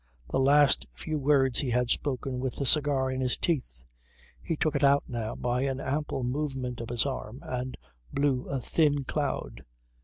The last few words he had spoken with the cigar in his teeth. He took it out now by an ample movement of his arm and blew a thin cloud.